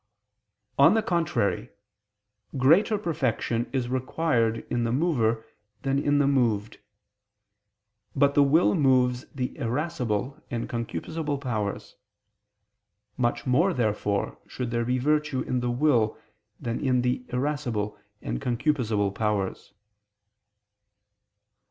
On the contrary, Greater perfection is required in the mover than in the moved. But the will moves the irascible and concupiscible powers. Much more therefore should there be virtue in the will than in the irascible and concupiscible powers.